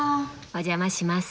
お邪魔します。